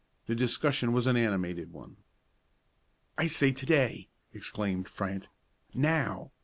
The discussion was an animated one. "I say to day!" exclaimed Fryant, "now!